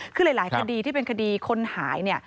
คือหลายคดีที่เป็นคดีคนหายเนี่ย